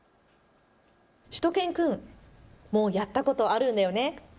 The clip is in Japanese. しゅと犬くん、もうやったことあるんだよね。